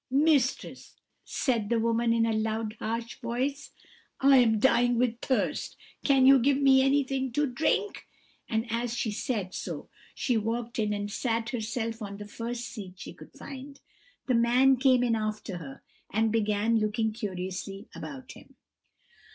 "'Mistress!' said the woman in a loud harsh voice, 'I am dying with thirst; can you give me anything to drink?' and as she said so, she walked in and sat herself on the first seat she could find. The man came in after her, and began looking curiously about him.